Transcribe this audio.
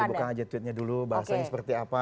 coba dibuka aja tweetnya dulu bahasanya seperti apa